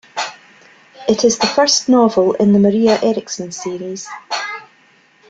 It is the first novel in the Maria Eriksson series.